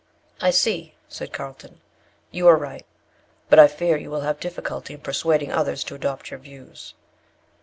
"I see," said Carlton, "you are right, but I fear you will have difficulty in persuading others to adopt your views."